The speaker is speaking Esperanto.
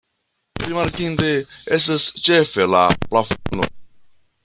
Rimarkinde estas ĉefe la plafono.